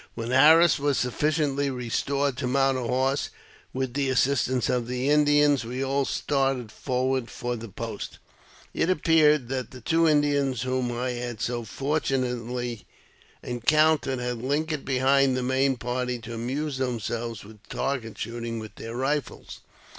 When Harris was sufficiently restored to mount a horse with the assistance of the Indians, we all started forward for the post. It appeared that the two Indians whom I had so fortunately encountered had lingered behind the main party to amuse themselves with target shooting with their rifles.